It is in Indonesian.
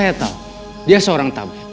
saya tahu dia seorang tabib